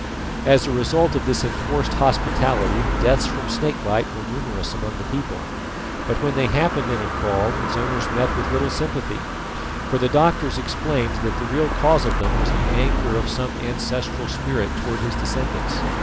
As a result of this enforced hospitality deaths from snake bite were numerous among the people; but when they happened in a kraal its owners met with little sympathy, for the doctors explained that the real cause of them was the anger of some ancestral spirit towards his descendants.